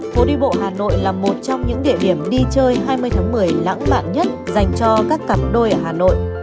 phố đi bộ hà nội là một trong những địa điểm đi chơi hai mươi tháng một mươi lãng mạn nhất dành cho các cặp đôi ở hà nội